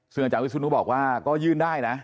ซึ่งอาจารย์วิศนุบอกว่าก็ยื่นได้นะ